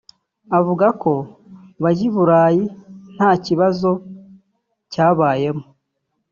Avuga ko bajya I Burayi nta kibazo cyabayemo